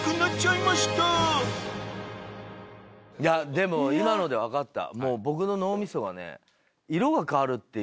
でも今ので分かった。